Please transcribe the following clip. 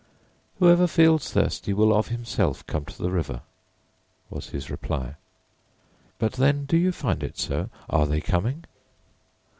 "Whoever feels thirsty will of himself come to the river," was his reply. "But then, do you find it so? Are they coming?"